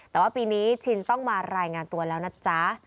แต่ว่าปีนี้ชินต้องมารายงานตัวแล้วนะจ๊ะ